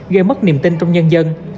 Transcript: gây mất niềm tin trong nhân dân